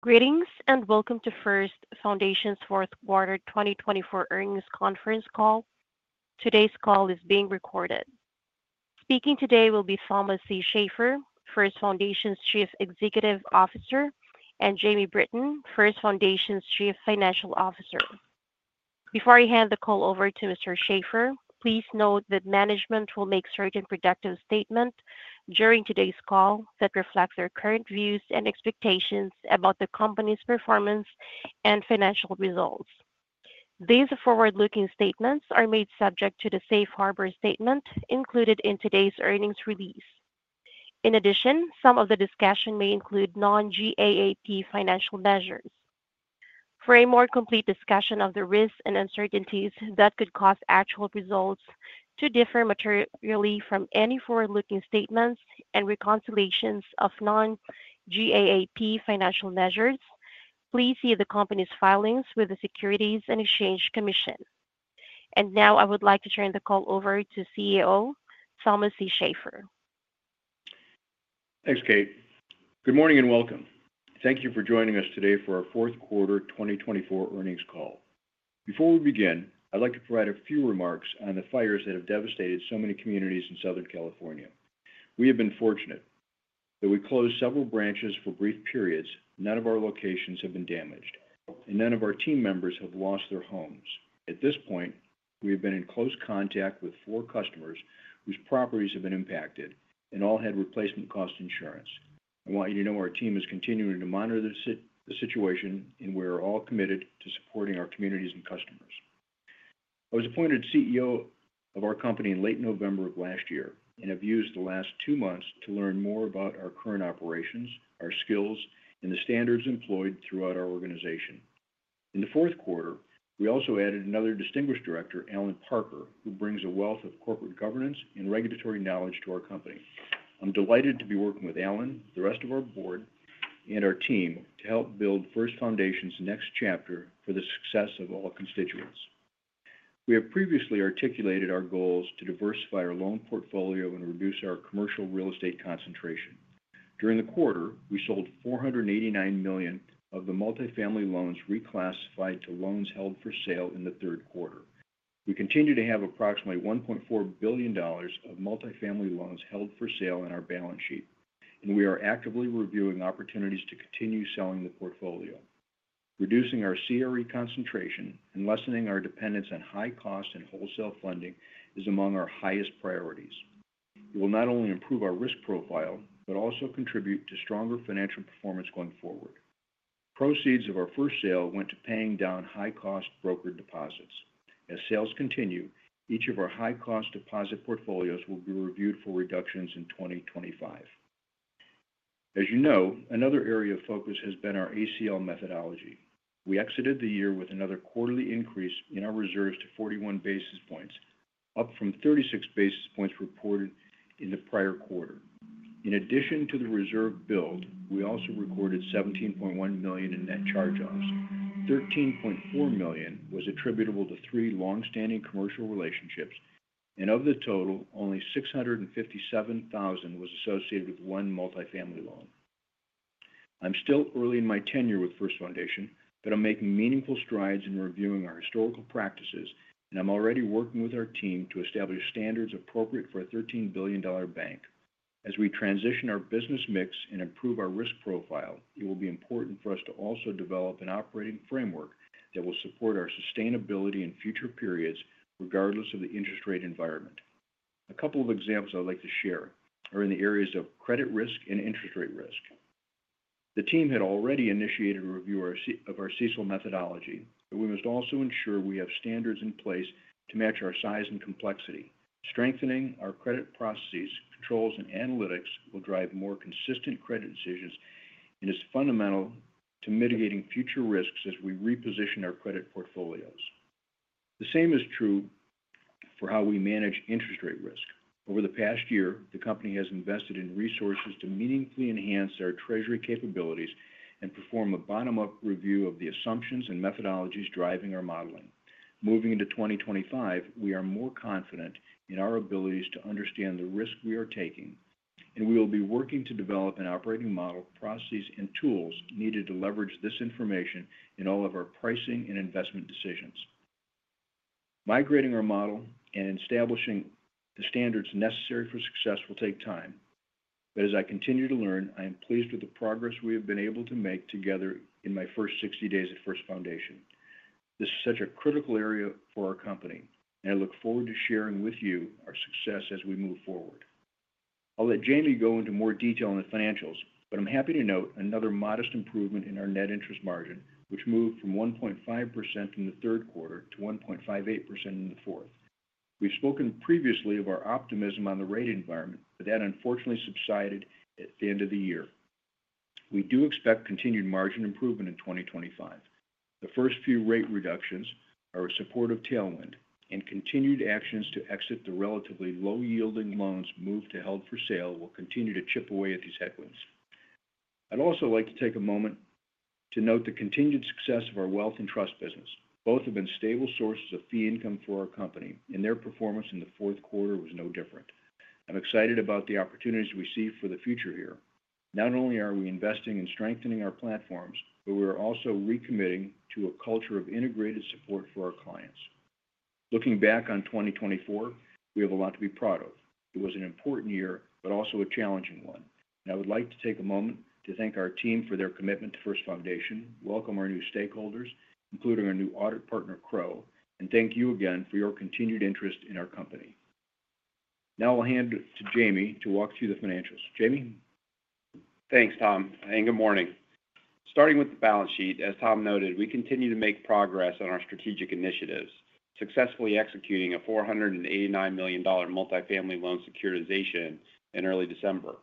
Greetings and welcome to First Foundation's Fourth Quarter 2024 Earnings Conference Call. Today's call is being recorded. Speaking today will be Thomas C. Shafer, First Foundation's Chief Executive Officer, and Jamie Britton, First Foundation's Chief Financial Officer. Before I hand the call over to Mr. Shafer, please note that management will make certain forward-looking statements during today's call that reflect their current views and expectations about the company's performance and financial results. These forward-looking statements are made subject to the Safe Harbor Statement included in today's earnings release. In addition, some of the discussion may include non-GAAP financial measures. For a more complete discussion of the risks and uncertainties that could cause actual results to differ materially from any forward-looking statements and reconciliations of non-GAAP financial measures, please see the company's filings with the Securities and Exchange Commission. Now I would like to turn the call over to CEO Thomas C. Shafer. Thanks, Kate. Good morning and welcome. Thank you for joining us today for our Fourth Quarter 2024 Earnings Call. Before we begin, I'd like to provide a few remarks on the fires that have devastated so many communities in Southern California. We have been fortunate that we closed several branches for brief periods. None of our locations have been damaged, and none of our team members have lost their homes. At this point, we have been in close contact with four customers whose properties have been impacted and all had replacement cost insurance. I want you to know our team is continuing to monitor the situation, and we are all committed to supporting our communities and customers. I was appointed CEO of our company in late November of last year and have used the last two months to learn more about our current operations, our skills, and the standards employed throughout our organization. In the fourth quarter, we also added another distinguished director, Allen Parker, who brings a wealth of corporate governance and regulatory knowledge to our company. I'm delighted to be working with Alan, the rest of our board, and our team to help build First Foundation's next chapter for the success of all constituents. We have previously articulated our goals to diversify our loan portfolio and reduce our commercial real estate concentration. During the quarter, we sold $489 million of the multifamily loans reclassified to loans held for sale in the third quarter. We continue to have approximately $1.4 billion of multifamily loans held for sale in our balance sheet, and we are actively reviewing opportunities to continue selling the portfolio. Reducing our CRE concentration and lessening our dependence on high-cost and wholesale funding is among our highest priorities. It will not only improve our risk profile but also contribute to stronger financial performance going forward. Proceeds of our first sale went to paying down high-cost brokered deposits. As sales continue, each of our high-cost deposit portfolios will be reviewed for reductions in 2025. As you know, another area of focus has been our ACL methodology. We exited the year with another quarterly increase in our reserves to 41 basis points, up from 36 basis points reported in the prior quarter. In addition to the reserve build, we also recorded $17.1 million in net charge-offs. $13.4 million was attributable to three long-standing commercial relationships, and of the total, only $657,000 was associated with one multifamily loan. I'm still early in my tenure with First Foundation, but I'm making meaningful strides in reviewing our historical practices, and I'm already working with our team to establish standards appropriate for a $13 billion bank. As we transition our business mix and improve our risk profile, it will be important for us to also develop an operating framework that will support our sustainability in future periods, regardless of the interest rate environment. A couple of examples I'd like to share are in the areas of credit risk and interest rate risk. The team had already initiated a review of our CECL methodology, but we must also ensure we have standards in place to match our size and complexity. Strengthening our credit processes, controls, and analytics will drive more consistent credit decisions and is fundamental to mitigating future risks as we reposition our credit portfolios. The same is true for how we manage interest rate risk. Over the past year, the company has invested in resources to meaningfully enhance our treasury capabilities and perform a bottom-up review of the assumptions and methodologies driving our modeling. Moving into 2025, we are more confident in our abilities to understand the risk we are taking, and we will be working to develop an operating model, processes, and tools needed to leverage this information in all of our pricing and investment decisions. Migrating our model and establishing the standards necessary for success will take time, but as I continue to learn, I am pleased with the progress we have been able to make together in my first 60 days at First Foundation. This is such a critical area for our company, and I look forward to sharing with you our success as we move forward. I'll let Jamie go into more detail on the financials, but I'm happy to note another modest improvement in our net interest margin, which moved from 1.5% in the third quarter to 1.58% in the fourth. We've spoken previously of our optimism on the rate environment, but that unfortunately subsided at the end of the year. We do expect continued margin improvement in 2025. The first few rate reductions are a supportive tailwind, and continued actions to exit the relatively low-yielding loans moved to held for sale will continue to chip away at these headwinds. I'd also like to take a moment to note the continued success of our wealth and trust business. Both have been stable sources of fee income for our company, and their performance in the fourth quarter was no different. I'm excited about the opportunities we see for the future here. Not only are we investing and strengthening our platforms, but we are also recommitting to a culture of integrated support for our clients. Looking back on 2024, we have a lot to be proud of. It was an important year but also a challenging one. I would like to take a moment to thank our team for their commitment to First Foundation, welcome our new stakeholders, including our new audit partner, Crowe, and thank you again for your continued interest in our company. Now I'll hand it to Jamie to walk through the financials. Jamie? Thanks, Tom, and good morning. Starting with the balance sheet, as Tom noted, we continue to make progress on our strategic initiatives, successfully executing a $489 million multifamily loan securitization in early December.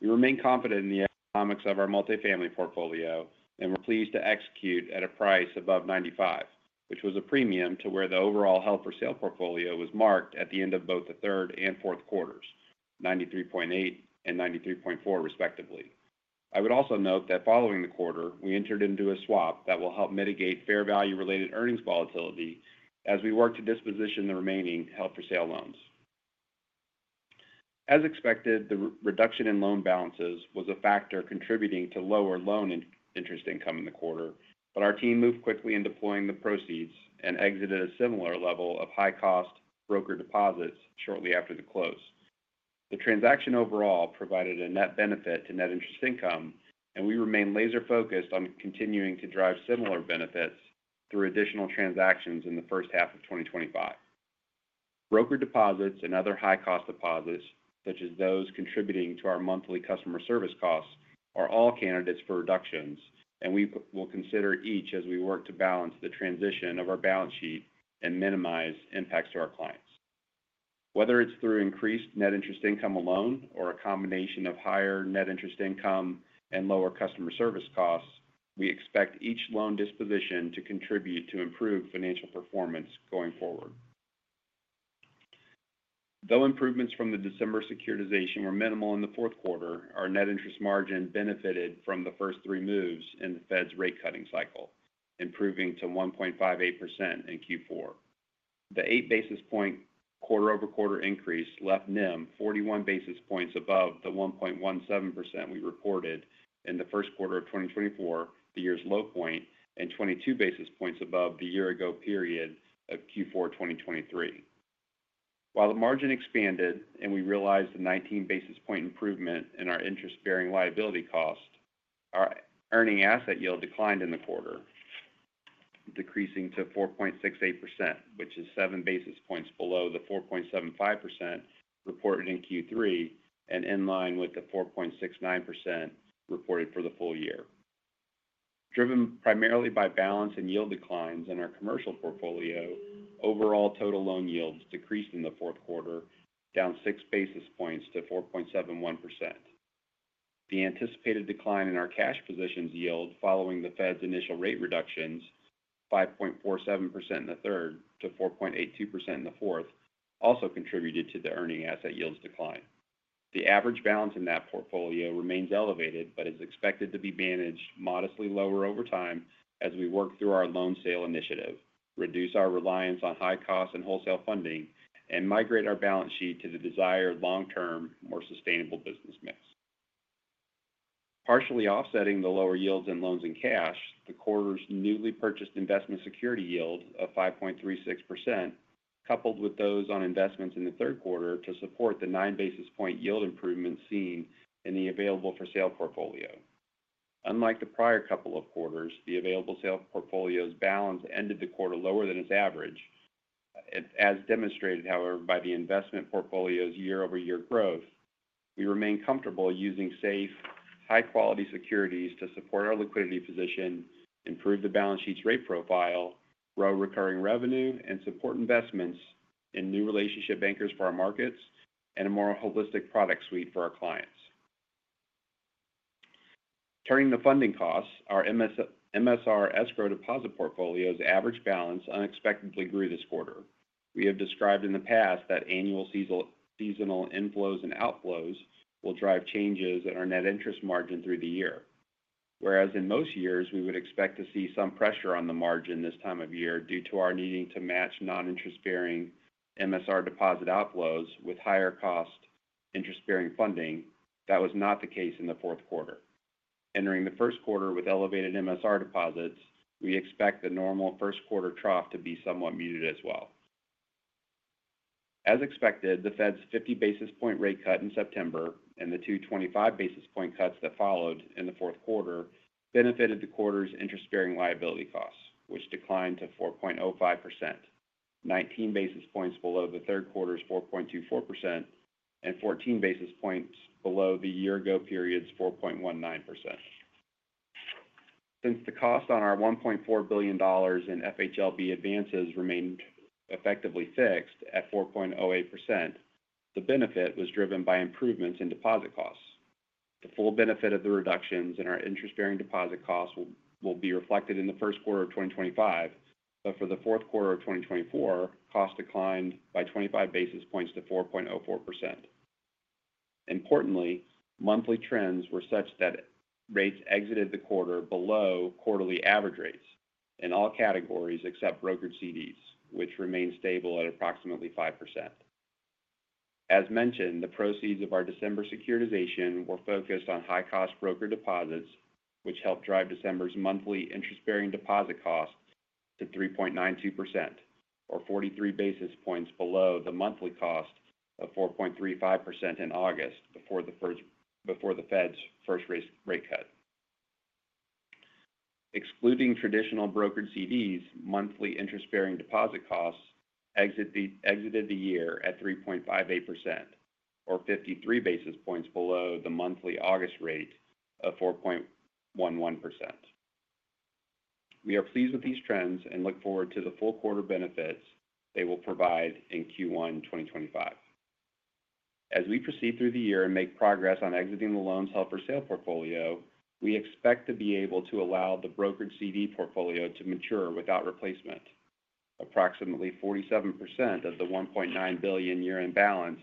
We remain confident in the economics of our multifamily portfolio and were pleased to execute at a price above 95, which was a premium to where the overall held-for-sale portfolio was marked at the end of both the third and fourth quarters, 93.8 and 93.4, respectively. I would also note that following the quarter, we entered into a swap that will help mitigate fair value-related earnings volatility as we work to disposition the remaining held-for-sale loans. As expected, the reduction in loan balances was a factor contributing to lower loan interest income in the quarter, but our team moved quickly in deploying the proceeds and exited a similar level of high-cost brokered deposits shortly after the close. The transaction overall provided a net benefit to net interest income, and we remain laser-focused on continuing to drive similar benefits through additional transactions in the first half of 2025. Brokered deposits and other high-cost deposits, such as those contributing to our monthly customer service costs, are all candidates for reductions, and we will consider each as we work to balance the transition of our balance sheet and minimize impacts to our clients. Whether it's through increased net interest income alone or a combination of higher net interest income and lower customer service costs, we expect each loan disposition to contribute to improved financial performance going forward. Though improvements from the December securitization were minimal in the fourth quarter, our net interest margin benefited from the first three moves in the Fed's rate-cutting cycle, improving to 1.58% in Q4. The eight-basis-point quarter-over-quarter increase left NIM 41 basis points above the 1.17% we reported in the first quarter of 2024, the year's low point, and 22 basis points above the year-ago period of Q4 2023. While the margin expanded and we realized the 19-basis-point improvement in our interest-bearing liability cost, our earning asset yield declined in the quarter, decreasing to 4.68%, which is seven basis points below the 4.75% reported in Q3 and in line with the 4.69% reported for the full year. Driven primarily by balance and yield declines in our commercial portfolio, overall total loan yields decreased in the fourth quarter, down six basis points to 4.71%. The anticipated decline in our cash positions yield following the Fed's initial rate reductions, 5.47% in the third to 4.82% in the fourth, also contributed to the earning asset yields decline. The average balance in that portfolio remains elevated but is expected to be managed modestly lower over time as we work through our loan sale initiative, reduce our reliance on high-cost and wholesale funding, and migrate our balance sheet to the desired long-term, more sustainable business mix. Partially offsetting the lower yields in loans and cash, the quarter's newly purchased investment security yield of 5.36% coupled with those on investments in the third quarter to support the nine-basis-point yield improvement seen in the available-for-sale portfolio. Unlike the prior couple of quarters, the available-for-sale portfolio's balance ended the quarter lower than its average. As demonstrated, however, by the investment portfolio's year-over-year growth, we remain comfortable using safe, high-quality securities to support our liquidity position, improve the balance sheet's rate profile, grow recurring revenue, and support investments in new relationship bankers for our markets and a more holistic product suite for our clients. Turning to funding costs, our MSR escrow deposit portfolio's average balance unexpectedly grew this quarter. We have described in the past that annual seasonal inflows and outflows will drive changes in our net interest margin through the year, whereas in most years, we would expect to see some pressure on the margin this time of year due to our needing to match non-interest-bearing MSR deposit outflows with higher-cost interest-bearing funding. That was not the case in the fourth quarter. Entering the first quarter with elevated MSR deposits, we expect the normal first-quarter trough to be somewhat muted as well. As expected, the Fed's 50-basis-point rate cut in September and the two 25-basis-point cuts that followed in the fourth quarter benefited the quarter's interest-bearing liability costs, which declined to 4.05%, 19 basis points below the third quarter's 4.24%, and 14 basis points below the year-ago period's 4.19%. Since the cost on our $1.4 billion in FHLB advances remained effectively fixed at 4.08%, the benefit was driven by improvements in deposit costs. The full benefit of the reductions in our interest-bearing deposit costs will be reflected in the first quarter of 2025, but for the fourth quarter of 2024, costs declined by 25 basis points to 4.04%. Importantly, monthly trends were such that rates exited the quarter below quarterly average rates in all categories except brokered CDs, which remained stable at approximately 5%. As mentioned, the proceeds of our December securitization were focused on high-cost brokered deposits, which helped drive December's monthly interest-bearing deposit costs to 3.92%, or 43 basis points below the monthly cost of 4.35% in August before the Fed's first rate cut. Excluding traditional brokered CDs, monthly interest-bearing deposit costs exited the year at 3.58%, or 53 basis points below the monthly August rate of 4.11%. We are pleased with these trends and look forward to the full quarter benefits they will provide in Q1 2025. As we proceed through the year and make progress on exiting the loans held-for-sale portfolio, we expect to be able to allow the brokered CD portfolio to mature without replacement. Approximately 47% of the $1.9 billion year-end balance,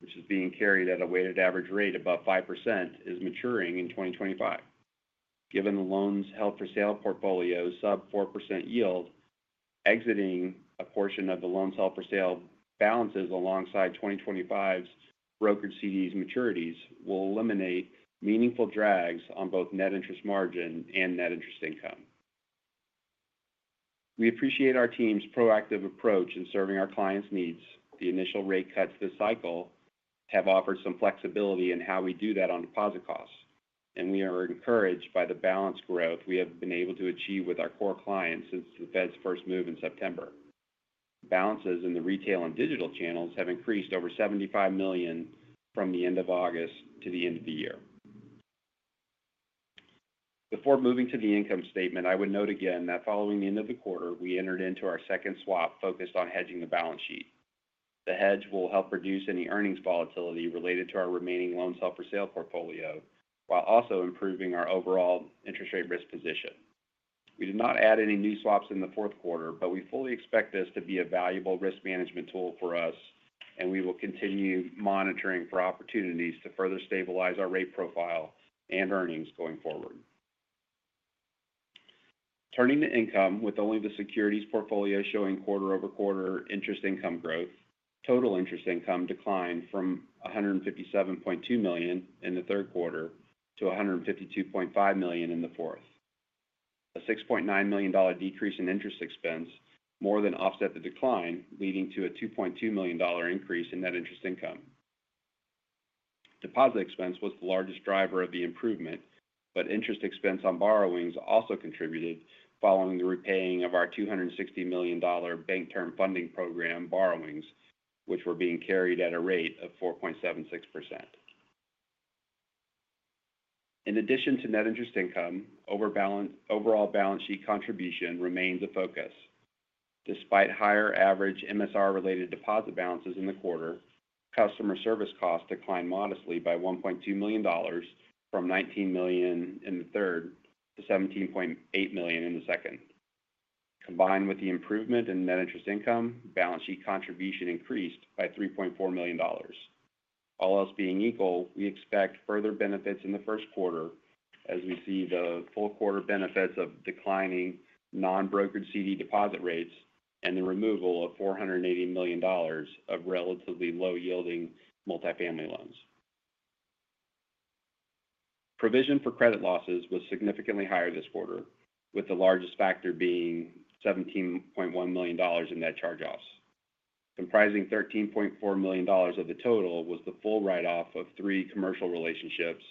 which is being carried at a weighted average rate above 5%, is maturing in 2025. Given the loans held-for-sale portfolio's sub-4% yield, exiting a portion of the loans held-for-sale balances alongside 2025's brokered CDs' maturities will eliminate meaningful drags on both net interest margin and net interest income. We appreciate our team's proactive approach in serving our clients' needs. The initial rate cuts this cycle have offered some flexibility in how we do that on deposit costs, and we are encouraged by the balance growth we have been able to achieve with our core clients since the Fed's first move in September. Balances in the retail and digital channels have increased over $75 million from the end of August to the end of the year. Before moving to the income statement, I would note again that following the end of the quarter, we entered into our second swap focused on hedging the balance sheet. The hedge will help reduce any earnings volatility related to our remaining loans held-for-sale portfolio while also improving our overall interest rate risk position. We did not add any new swaps in the fourth quarter, but we fully expect this to be a valuable risk management tool for us, and we will continue monitoring for opportunities to further stabilize our rate profile and earnings going forward. Turning to income, with only the securities portfolio showing quarter-over-quarter interest income growth, total interest income declined from $157.2 million in the third quarter to $152.5 million in the fourth. A $6.9 million decrease in interest expense more than offset the decline, leading to a $2.2 million increase in net interest income. Deposit expense was the largest driver of the improvement, but interest expense on borrowings also contributed following the repayment of our $260 million Bank Term Funding Program borrowings, which were being carried at a rate of 4.76%. In addition to net interest income, overall balance sheet contribution remains a focus. Despite higher average MSR-related deposit balances in the quarter, customer service costs declined modestly by $1.2 million from $19 million in the third to $17.8 million in the second. Combined with the improvement in net interest income, balance sheet contribution increased by $3.4 million. All else being equal, we expect further benefits in the first quarter as we see the full quarter benefits of declining non-brokered CD deposit rates and the removal of $480 million of relatively low-yielding multifamily loans. Provision for credit losses was significantly higher this quarter, with the largest factor being $17.1 million in net charge-offs. Comprising $13.4 million of the total was the full write-off of three commercial relationships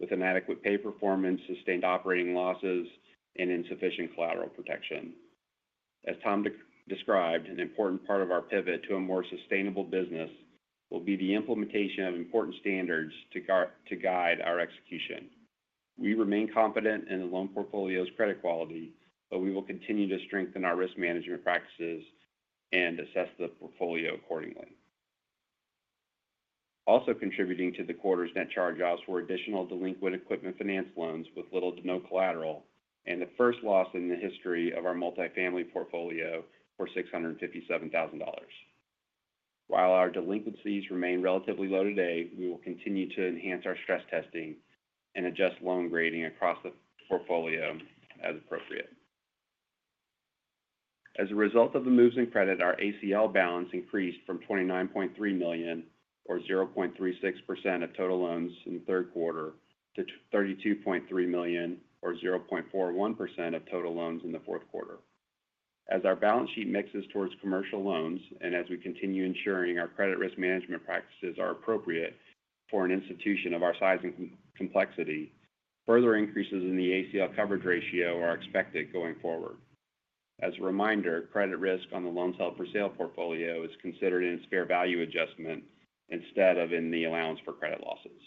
with inadequate pay performance, sustained operating losses, and insufficient collateral protection. As Tom described, an important part of our pivot to a more sustainable business will be the implementation of important standards to guide our execution. We remain confident in the loan portfolio's credit quality, but we will continue to strengthen our risk management practices and assess the portfolio accordingly. Also contributing to the quarter's net charge-offs were additional delinquent equipment finance loans with little to no collateral, and the first loss in the history of our multifamily portfolio was $657,000. While our delinquencies remain relatively low today, we will continue to enhance our stress testing and adjust loan grading across the portfolio as appropriate. As a result of the moves in credit, our ACL balance increased from $29.3 million, or 0.36% of total loans in the third quarter, to $32.3 million, or 0.41% of total loans in the fourth quarter. As our balance sheet mixes towards commercial loans and as we continue ensuring our credit risk management practices are appropriate for an institution of our size and complexity, further increases in the ACL coverage ratio are expected going forward. As a reminder, credit risk on the loans held-for-sale portfolio is considered in its fair value adjustment instead of in the allowance for credit losses.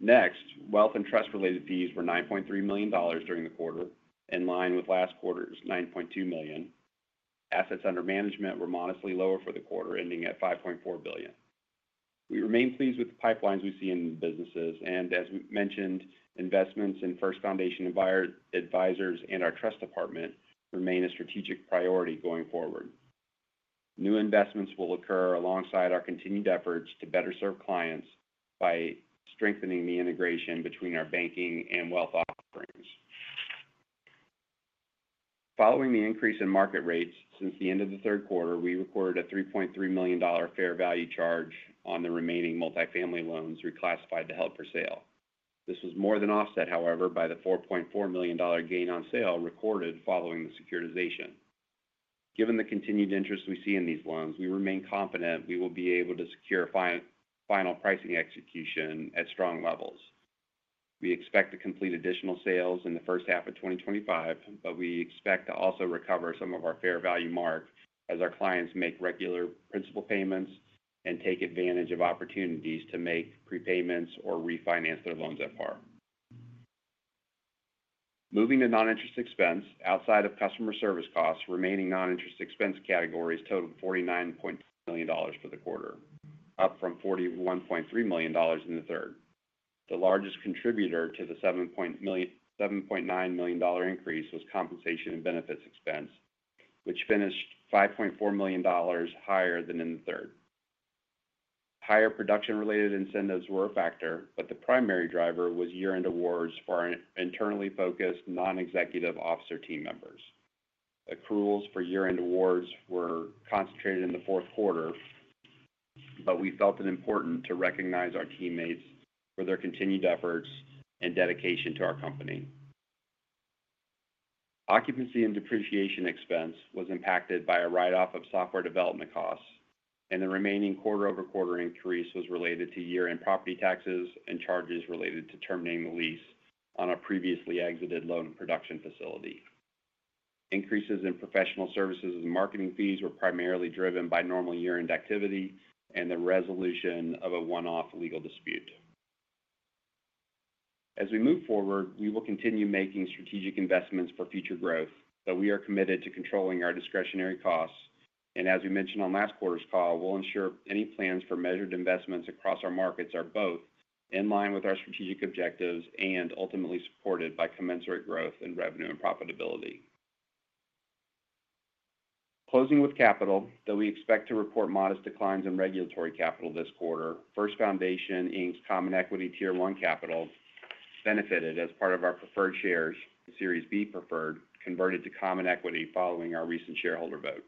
Next, wealth and trust-related fees were $9.3 million during the quarter, in line with last quarter's $9.2 million. Assets under management were modestly lower for the quarter, ending at $5.4 billion. We remain pleased with the pipelines we see in the businesses, and as mentioned, investments in First Foundation Advisors and our trust department remain a strategic priority going forward. New investments will occur alongside our continued efforts to better serve clients by strengthening the integration between our banking and wealth offerings. Following the increase in market rates since the end of the third quarter, we recorded a $3.3 million fair value charge on the remaining multifamily loans reclassified to held-for-sale. This was more than offset, however, by the $4.4 million gain on sale recorded following the securitization. Given the continued interest we see in these loans, we remain confident we will be able to secure final pricing execution at strong levels. We expect to complete additional sales in the first half of 2025, but we expect to also recover some of our fair value mark as our clients make regular principal payments and take advantage of opportunities to make prepayments or refinance their loans at par. Moving to non-interest expense, outside of customer service costs, remaining non-interest expense categories totaled $49.2 million for the quarter, up from $41.3 million in the third. The largest contributor to the $7.9 million increase was compensation and benefits expense, which finished $5.4 million higher than in the third. Higher production-related incentives were a factor, but the primary driver was year-end awards for our internally focused non-executive officer team members. Accruals for year-end awards were concentrated in the fourth quarter, but we felt it important to recognize our teammates for their continued efforts and dedication to our company. Occupancy and depreciation expense was impacted by a write-off of software development costs, and the remaining quarter-over-quarter increase was related to year-end property taxes and charges related to terminating the lease on a previously exited loan production facility. Increases in professional services and marketing fees were primarily driven by normal year-end activity and the resolution of a one-off legal dispute. As we move forward, we will continue making strategic investments for future growth, but we are committed to controlling our discretionary costs, and as we mentioned on last quarter's call, we'll ensure any plans for measured investments across our markets are both in line with our strategic objectives and ultimately supported by commensurate growth in revenue and profitability. Closing with capital, though we expect to report modest declines in regulatory capital this quarter, First Foundation Inc.'s Common Equity Tier 1 capital benefited as part of our preferred shares. Series B preferred converted to common equity following our recent shareholder vote.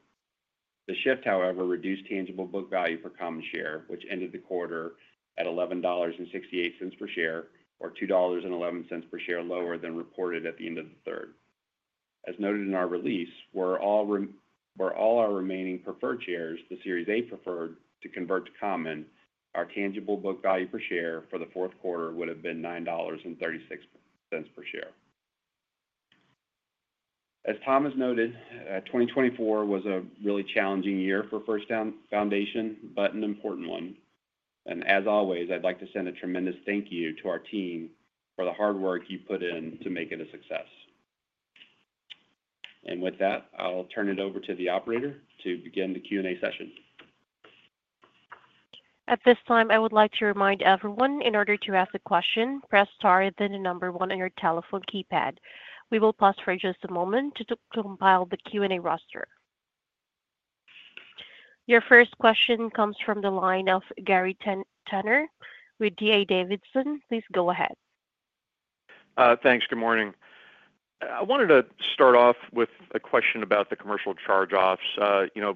The shift, however, reduced tangible book value per common share, which ended the quarter at $11.68 per share, or $2.11 per share lower than reported at the end of the third. As noted in our release, where all our remaining preferred shares, the Series A preferred, to convert to common, our tangible book value per share for the fourth quarter would have been $9.36 per share. As Tom has noted, 2024 was a really challenging year for First Foundation, but an important one. And as always, I'd like to send a tremendous thank you to our team for the hard work you put in to make it a success. And with that, I'll turn it over to the operator to begin the Q&A session. At this time, I would like to remind everyone in order to ask a question, press star and then the number one on your telephone keypad. We will pause for just a moment to compile the Q&A roster. Your first question comes from the line of Gary Tenner with D.A. Davidson. Please go ahead. Thanks. Good morning. I wanted to start off with a question about the commercial charge-offs.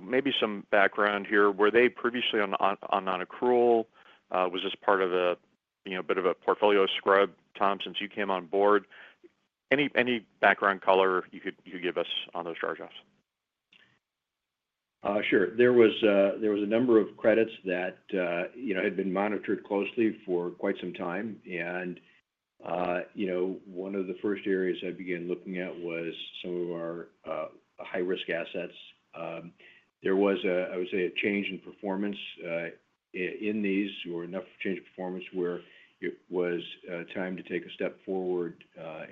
Maybe some background here. Were they previously on non-accrual? Was this part of a bit of a portfolio scrub, Tom, since you came on board? Any background color you could give us on those charge-offs? Sure. There was a number of credits that had been monitored closely for quite some time. And one of the first areas I began looking at was some of our high-risk assets. There was, I would say, a change in performance in these. There were enough change in performance where it was time to take a step forward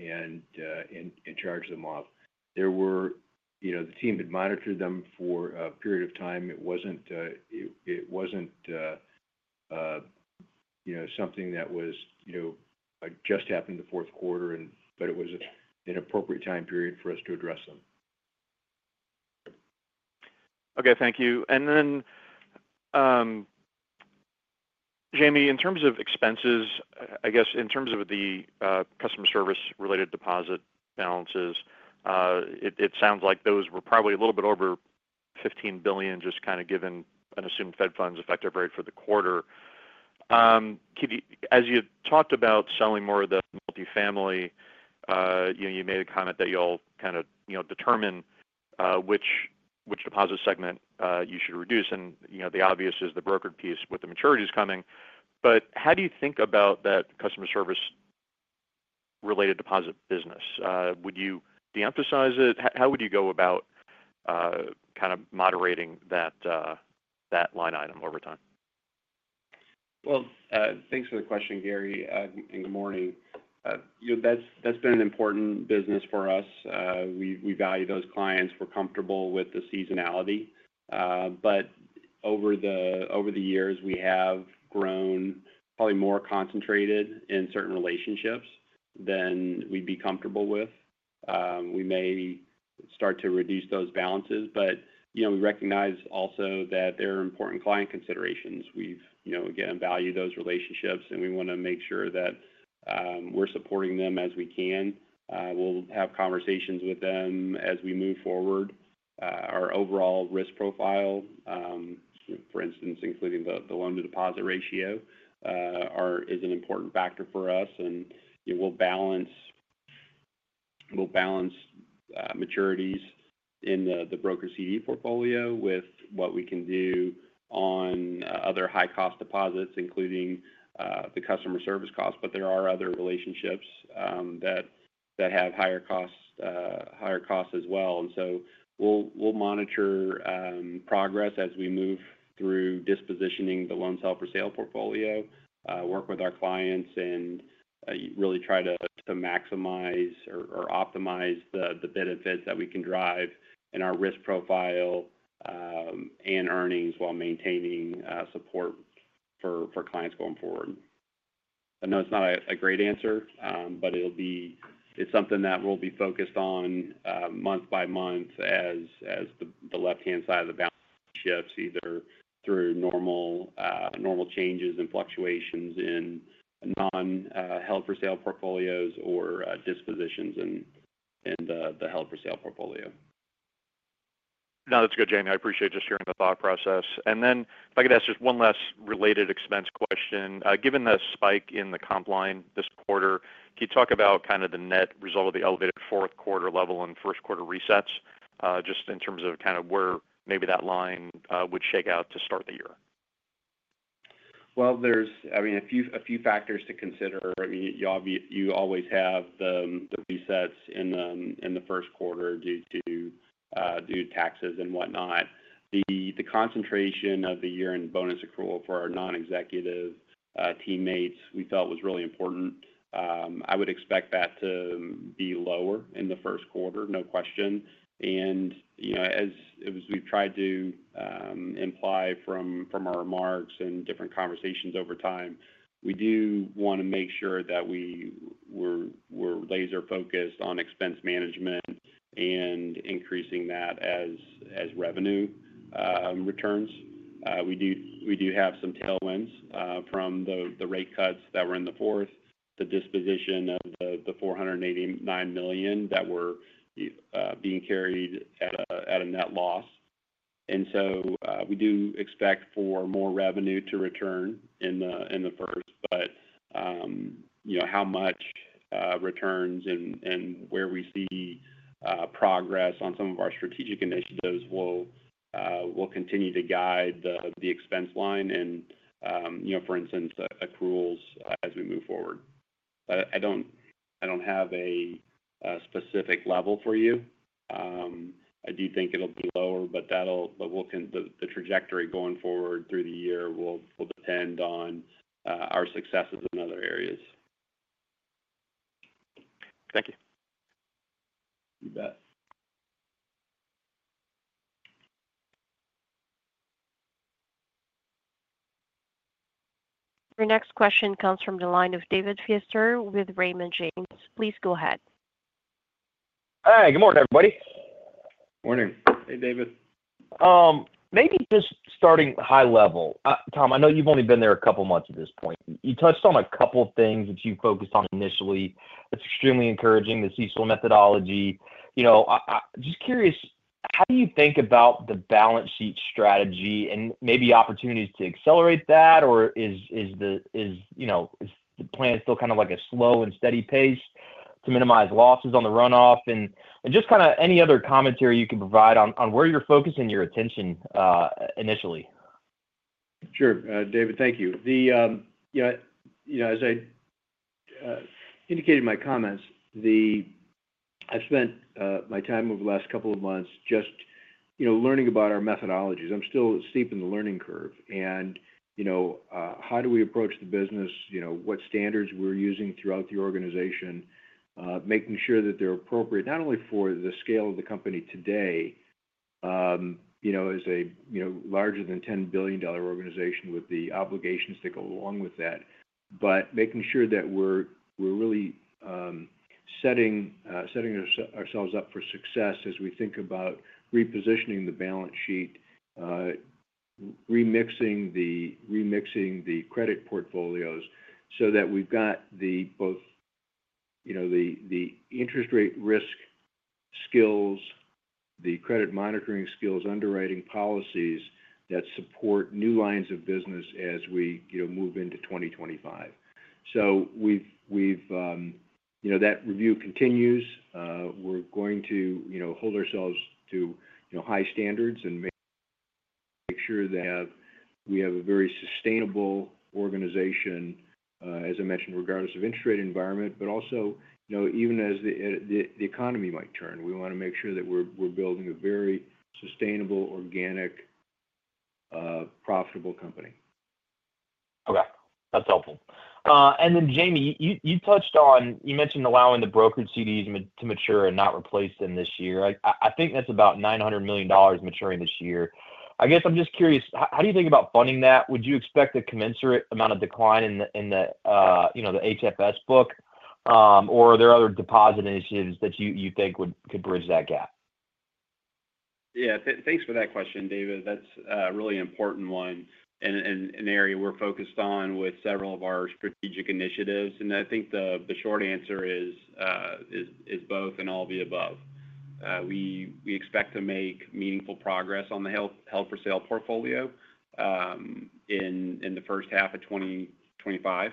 and charge them off. The team had monitored them for a period of time. It wasn't something that just happened in the fourth quarter, but it was an appropriate time period for us to address them. Okay. Thank you. And then, Jamie, in terms of expenses, I guess in terms of the customer service-related deposit balances, it sounds like those were probably a little bit over $15 billion, just kind of given an assumed Fed funds effective rate for the quarter. As you talked about selling more of the multifamily, you made a comment that you'll kind of determine which deposit segment you should reduce. And the obvious is the brokered piece with the maturities coming. But how do you think about that customer service-related deposit business? Would you de-emphasize it? How would you go about kind of moderating that line item over time? Well, thanks for the question, Gary, and good morning. That's been an important business for us. We value those clients. We're comfortable with the seasonality. But over the years, we have grown probably more concentrated in certain relationships than we'd be comfortable with. We may start to reduce those balances, but we recognize also that there are important client considerations. We've again valued those relationships, and we want to make sure that we're supporting them as we can. We'll have conversations with them as we move forward. Our overall risk profile, for instance, including the loan-to-deposit ratio, is an important factor for us. And we'll balance maturities in the broker CD portfolio with what we can do on other high-cost deposits, including the customer service costs. But there are other relationships that have higher costs as well. And so we'll monitor progress as we move through dispositioning the loans held-for-sale portfolio, work with our clients, and really try to maximize or optimize the benefits that we can drive in our risk profile and earnings while maintaining support for clients going forward. I know it's not a great answer, but it's something that we'll be focused on month by month as the left-hand side of the balance sheet shifts, either through normal changes and fluctuations in non-held-for-sale portfolios or dispositions in the held-for-sale portfolio. No, that's good, Jamie. I appreciate just hearing the thought process. And then if I could ask just one last related expense question. Given the spike in the comp line this quarter, can you talk about kind of the net result of the elevated fourth quarter level and first quarter resets, just in terms of kind of where maybe that line would shake out to start the year? Well, there's, I mean, a few factors to consider. I mean, you always have the resets in the first quarter due to taxes and whatnot. The concentration of the year-end bonus accrual for our non-executive teammates, we felt was really important. I would expect that to be lower in the first quarter, no question. And as we've tried to imply from our remarks and different conversations over time, we do want to make sure that we're laser-focused on expense management and increasing that as revenue returns. We do have some tailwinds from the rate cuts that were in the fourth, the disposition of the $489 million that were being carried at a net loss. And so we do expect for more revenue to return in the first. But how much returns and where we see progress on some of our strategic initiatives will continue to guide the expense line and, for instance, accruals as we move forward. I don't have a specific level for you. I do think it'll be lower, but the trajectory going forward through the year will depend on our successes in other areas. Thank you. You bet. Our next question comes from the line of David Feaster with Raymond James. Please go ahead. Hi. Good morning, everybody. Morning. Hey, David. Maybe just starting high level. Tom, I know you've only been there a couple of months at this point. You touched on a couple of things that you focused on initially. It's extremely encouraging, the CECL methodology. Just curious, how do you think about the balance sheet strategy and maybe opportunities to accelerate that? Or is the plan still kind of like a slow and steady pace to minimize losses on the runoff? And just kind of any other commentary you can provide on where you're focusing your attention initially. Sure. David, thank you. As I indicated in my comments, I've spent my time over the last couple of months just learning about our methodologies. I'm still steeped in the learning curve. And how do we approach the business? What standards we're using throughout the organization, making sure that they're appropriate not only for the scale of the company today as a larger than $10 billion organization with the obligations that go along with that, but making sure that we're really setting ourselves up for success as we think about repositioning the balance sheet, remixing the credit portfolios so that we've got both the interest rate risk skills, the credit monitoring skills, underwriting policies that support new lines of business as we move into 2025. So that review continues. We're going to hold ourselves to high standards and make sure that we have a very sustainable organization, as I mentioned, regardless of interest rate environment, but also even as the economy might turn. We want to make sure that we're building a very sustainable, organic, profitable company. Okay. That's helpful. And then, Jamie, you mentioned allowing the brokered CDs to mature and not replace them this year. I think that's about $900 million maturing this year. I guess I'm just curious, how do you think about funding that? Would you expect a commensurate amount of decline in the HFS book? Or are there other deposit initiatives that you think could bridge that gap? Yeah. Thanks for that question, David. That's a really important one and an area we're focused on with several of our strategic initiatives. And I think the short answer is both and all of the above. We expect to make meaningful progress on the held-for-sale portfolio in the first half of 2025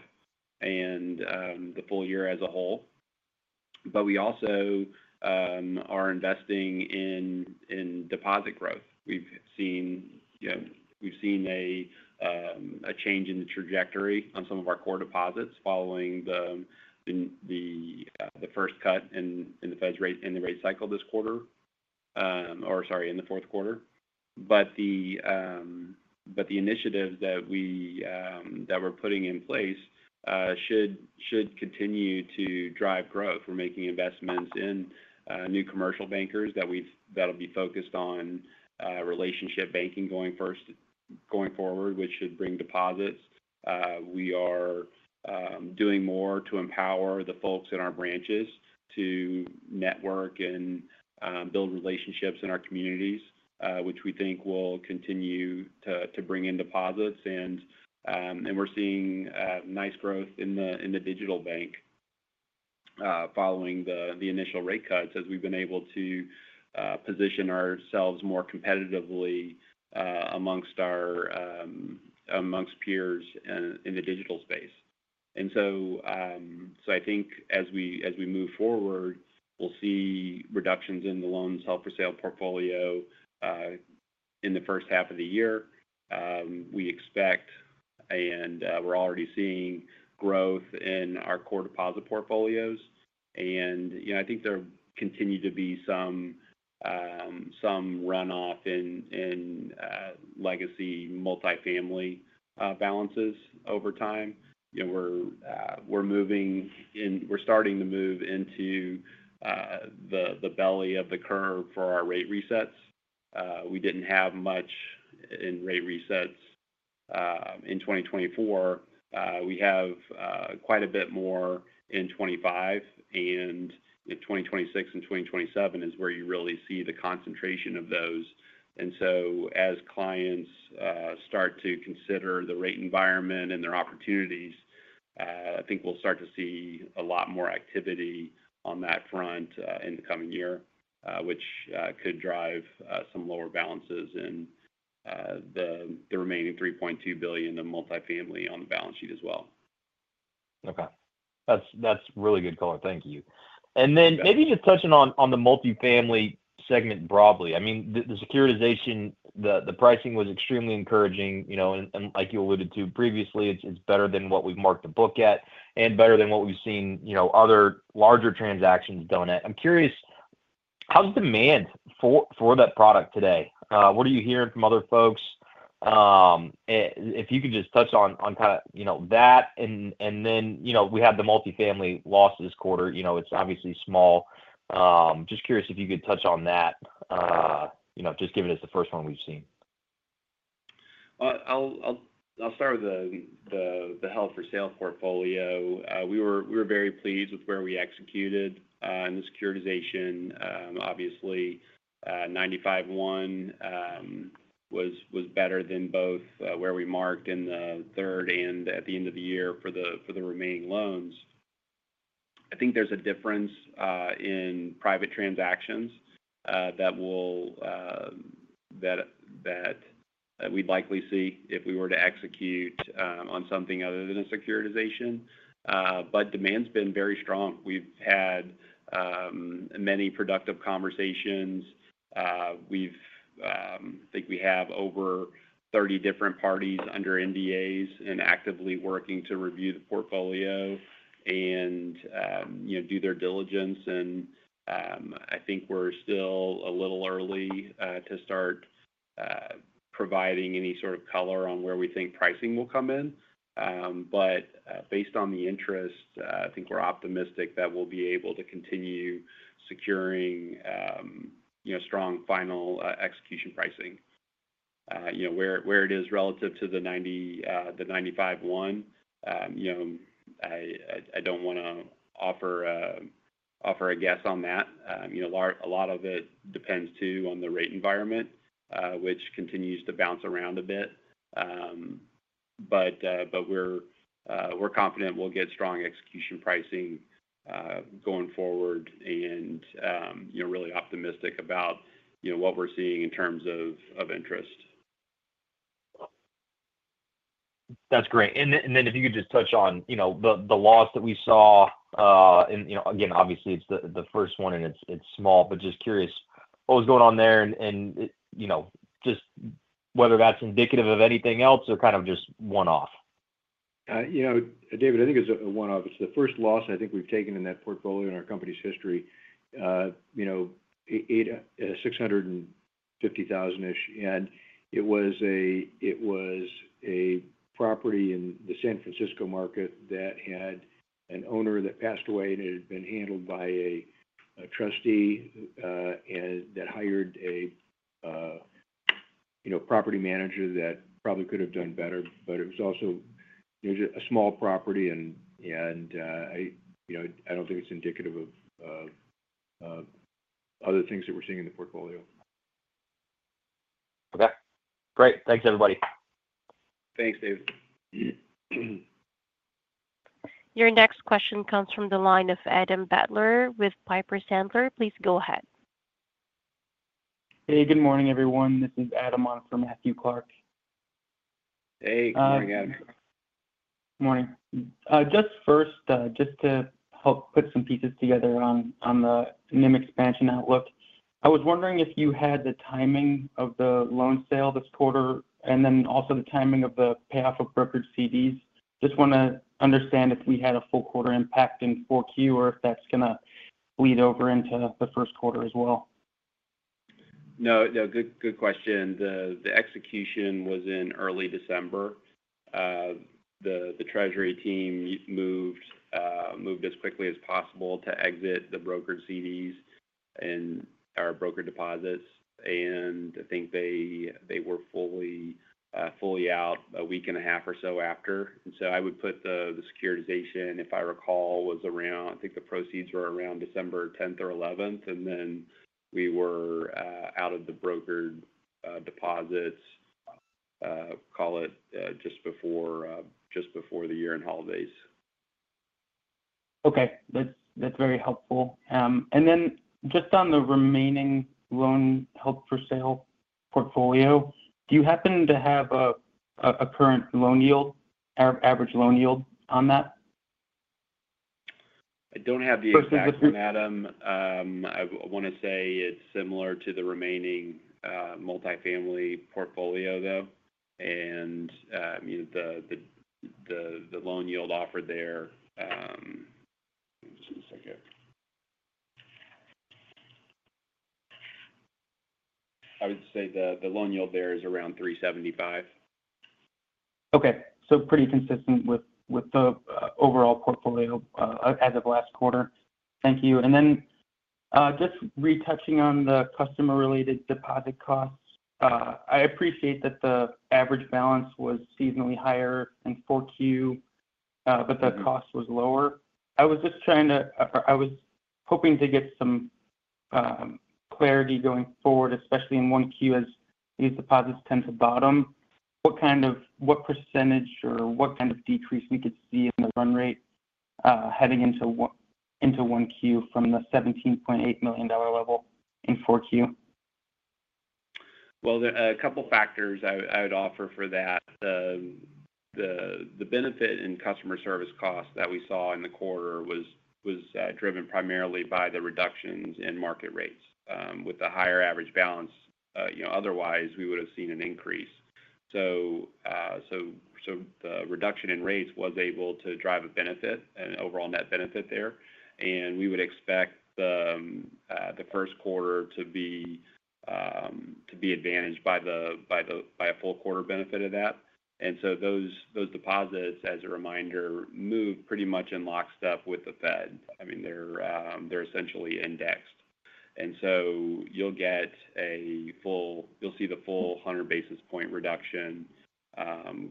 and the full year as a whole. But we also are investing in deposit growth. We've seen a change in the trajectory on some of our core deposits following the first cut in the rate cycle this quarter or, sorry, in the fourth quarter. But the initiatives that we're putting in place should continue to drive growth. We're making investments in new commercial bankers that'll be focused on relationship banking going forward, which should bring deposits. We are doing more to empower the folks in our branches to network and build relationships in our communities, which we think will continue to bring in deposits. And we're seeing nice growth in the digital bank following the initial rate cuts as we've been able to position ourselves more competitively amongst peers in the digital space. And so I think as we move forward, we'll see reductions in the loans held-for-sale portfolio in the first half of the year. We expect, and we're already seeing growth in our core deposit portfolios. And I think there'll continue to be some runoff in legacy multifamily balances over time. We're starting to move into the belly of the curve for our rate resets. We didn't have much in rate resets in 2024. We have quite a bit more in 2025. And 2026 and 2027 is where you really see the concentration of those. And so as clients start to consider the rate environment and their opportunities, I think we'll start to see a lot more activity on that front in the coming year, which could drive some lower balances in the remaining $3.2 billion of multifamily on the balance sheet as well. Okay. That's really good color. Thank you. And then maybe just touching on the multifamily segment broadly. I mean, the securitization, the pricing was extremely encouraging. Like you alluded to previously, it's better than what we've marked the book at and better than what we've seen other larger transactions done at. I'm curious, how's demand for that product today? What are you hearing from other folks? If you could just touch on kind of that. Then we had the multifamily loss this quarter. It's obviously small. Just curious if you could touch on that, just given it's the first one we've seen. I'll start with the held-for-sale portfolio. We were very pleased with where we executed in the securitization. Obviously, 95-1 was better than both where we marked in the third and at the end of the year for the remaining loans. I think there's a difference in private transactions that we'd likely see if we were to execute on something other than a securitization. But demand's been very strong. We've had many productive conversations. I think we have over 30 different parties under NDAs and actively working to review the portfolio and do their diligence. And I think we're still a little early to start providing any sort of color on where we think pricing will come in. But based on the interest, I think we're optimistic that we'll be able to continue securing strong final execution pricing. Where it is relative to the 95-1, I don't want to offer a guess on that. A lot of it depends too on the rate environment, which continues to bounce around a bit. But we're confident we'll get strong execution pricing going forward and really optimistic about what we're seeing in terms of interest. That's great. And then if you could just touch on the loss that we saw. And again, obviously, it's the first one and it's small. But just curious, what was going on there and just whether that's indicative of anything else or kind of just one-off? David, I think it's a one-off. It's the first loss I think we've taken in that portfolio in our company's history. It's $650,000-ish. And it was a property in the San Francisco market that had an owner that passed away, and it had been handled by a trustee that hired a property manager that probably could have done better. But it was also a small property, and I don't think it's indicative of other things that we're seeing in the portfolio. Okay. Great. Thanks, everybody. Thanks, David. Your next question comes from the line of Adam Butler with Piper Sandler. Please go ahead. Hey, good morning, everyone. This is Adam on for Matthew Clark. Hey. Good morning, Adam. Good morning. Just first, just to help put some pieces together on the NIM expansion outlook, I was wondering if you had the timing of the loan sale this quarter and then also the timing of the payoff of brokered CDs. Just want to understand if we had a full quarter impact in 4Q or if that's going to lead over into the first quarter as well. No, no. Good question. The execution was in early December. The treasury team moved as quickly as possible to exit the brokered CDs and our brokered deposits. And I think they were fully out a week and a half or so after. And so I would put the securitization, if I recall, was around I think the proceeds were around December 10th or 11th. And then we were out of the brokered deposits, call it just before the year-end holidays. Okay. That's very helpful. And then just on the remaining loan held-for-sale portfolio, do you happen to have a current loan yield, average loan yield on that? I don't have the exact, Adam. I want to say it's similar to the remaining multifamily portfolio, though. And the loan yield offered there just a second. I would say the loan yield there is around 375. Okay. So pretty consistent with the overall portfolio as of last quarter. Thank you. And then just retouching on the customer-related deposit costs, I appreciate that the average balance was seasonally higher in 4Q, but the cost was lower. I was hoping to get some clarity going forward, especially in 1Q as these deposits tend to bottom. What percentage or what kind of decrease we could see in the run rate heading into 1Q from the $17.8 million level in 4Q? A couple of factors I would offer for that. The benefit and customer service costs that we saw in the quarter was driven primarily by the reductions in market rates. With a higher average balance, otherwise, we would have seen an increase. So the reduction in rates was able to drive a benefit and overall net benefit there. And we would expect the first quarter to be advantaged by a full quarter benefit of that. And so those deposits, as a reminder, move pretty much in lockstep with the Fed. I mean, they're essentially indexed. And so you'll see the full 100 basis point reduction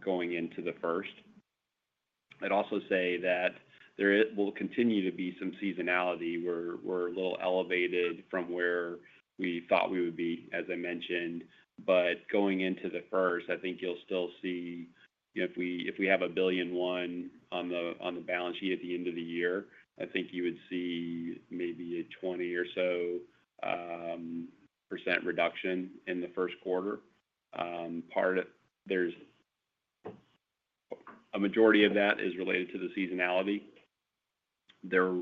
going into the first. I'd also say that there will continue to be some seasonality. We're a little elevated from where we thought we would be, as I mentioned. Going into the first, I think you'll still see if we have $1.1 billion on the balance sheet at the end of the year, I think you would see maybe 20% or so reduction in the first quarter. A majority of that is related to the seasonality. There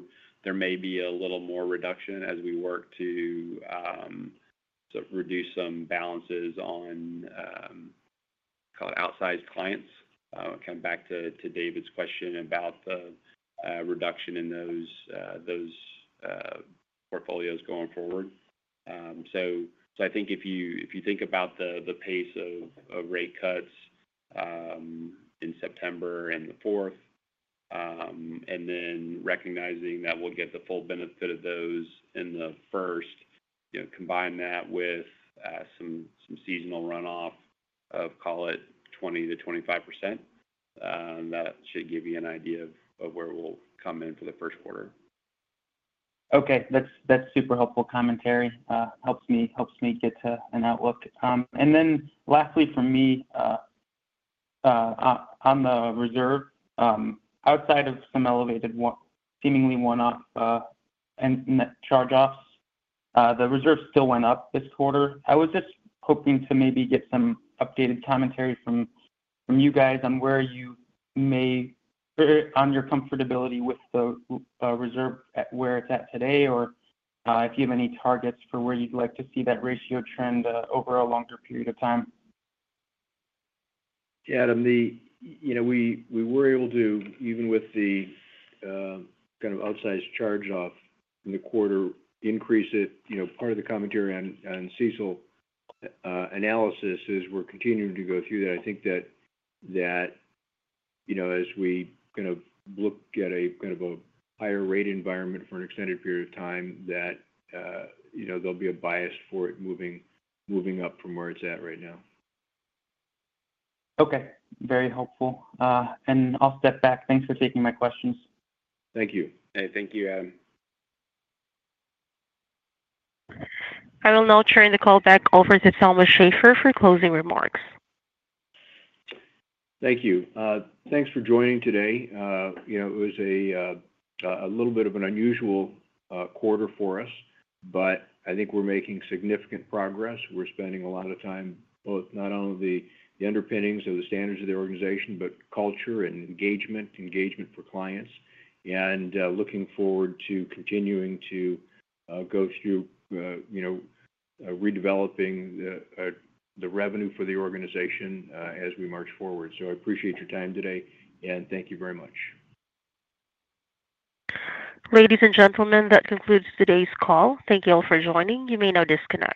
may be a little more reduction as we work to reduce some balances on outsized clients. Kind of back to David's question about the reduction in those portfolios going forward. I think if you think about the pace of rate cuts in September and the 4th, and then recognizing that we'll get the full benefit of those in the first, combine that with some seasonal runoff of, call it, 20%-25%, that should give you an idea of where we'll come in for the first quarter. Okay. That's super helpful commentary. Helps me get to an outlook. And then lastly for me, on the reserve, outside of some elevated, seemingly one-off net charge-offs, the reserve still went up this quarter. I was just hoping to maybe get some updated commentary from you guys on where you may on your comfortability with the reserve at where it's at today or if you have any targets for where you'd like to see that ratio trend over a longer period of time. Yeah, Adam, we were able to, even with the kind of outsized charge-off in the quarter, increase it. Part of the commentary on CECL analysis is we're continuing to go through that. I think that as we kind of look at a kind of a higher rate environment for an extended period of time, that there'll be a bias for it moving up from where it's at right now. Okay. Very helpful. And I'll step back. Thanks for taking my questions. Thank you. Hey, thank you, Adam. And now, I'll turn the call back over to Thomas Shafer for closing remarks. Thank you. Thanks for joining today. It was a little bit of an unusual quarter for us, but I think we're making significant progress. We're spending a lot of time both not only the underpinnings of the standards of the organization, but culture and engagement for clients. And looking forward to continuing to go through redeveloping the revenue for the organization as we march forward. So I appreciate your time today, and thank you very much. Ladies and gentlemen, that concludes today's call. Thank you all for joining. You may now disconnect.